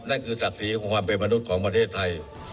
นั่นคือศักดิ์ศรีของความเป็นมนุษย์ของประเทศไทย